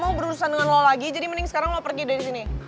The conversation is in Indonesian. gue gak ada urusan dengan lo lagi jadi mending sekarang lo pergi dari sini